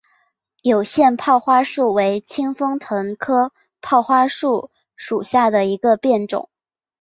有腺泡花树为清风藤科泡花树属下的一个变种。